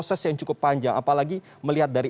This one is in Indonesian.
proses yang cukup panjang apalagi melihat dari